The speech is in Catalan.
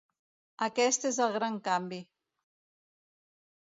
Aquest és el gran canvi.